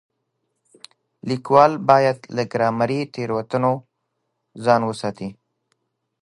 ليکوال بايد له ګرامري تېروتنو ځان وساتي.